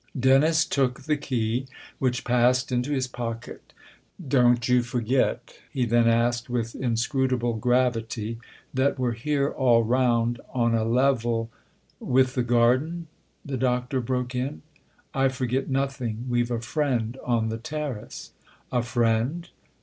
Dennis took the key, which passed into his pocket. " Don't you forget," he then asked with 284 THE OTHER HOUSE inscrutable gravity, " that we're here, all round, on a level " "With the garden ?" the Doctor broke in. "I forget nothing. We've a friend on the terrace." "A friend?"